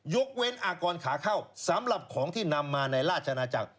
ยกเว้นอากรขาเข้าสำหรับของที่นำมาในราชนาจักร